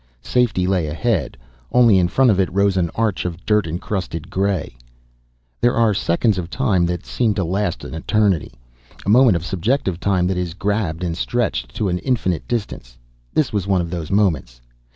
Safety lay ahead. Only in front of it rose an arch of dirt encrusted gray. There are seconds of time that seem to last an eternity. A moment of subjective time that is grabbed and stretched to an infinite distance. This was one of those moments.